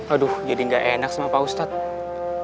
aduh jadi gak enak sama pak ustadz